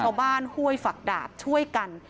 ชาวบ้านห้วยฝักดาบช่วยกัน